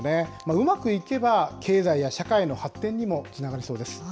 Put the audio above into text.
うまくいけば、経済や社会の発展にもつながりそうです。